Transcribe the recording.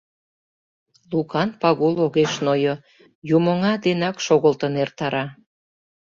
Лукан Пагул огеш нойо: юмоҥа денак шогылтын эртара.